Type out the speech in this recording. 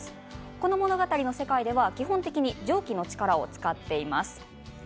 この物語の世界では基本的に蒸気の力を使っています。